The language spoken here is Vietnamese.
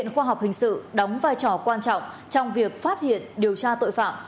khoa học hình sự đóng vai trò quan trọng trong việc phát hiện điều tra tội phạm